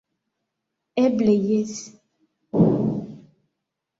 Eble jes.